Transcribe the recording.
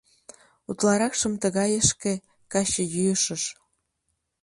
Утларакшым тыгайышке — качыйӱышыш.